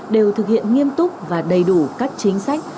đều thực hiện nghiêm túc và đầy đủ các chính sách